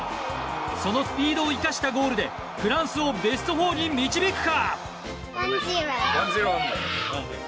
そのスピードを生かしたゴールでフランスをベスト４に導くか。